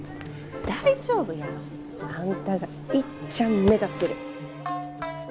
大丈夫や。あんたがいっちゃん目立ってる。